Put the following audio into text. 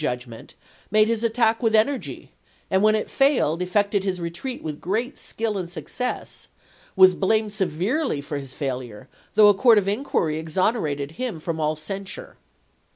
v. judgment, made his attack with energy, and when it failed effected his retreat with great skill and success, was blamed severely for his failure, though a court of inquiry exonerated him from all censure.